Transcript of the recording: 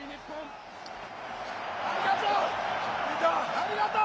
ありがとう！